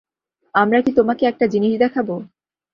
আমরা কি তোমাকে একটা জিনিস দেখাব?